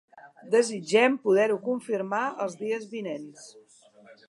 Desitgem poder-ho confirmar els dies vinents.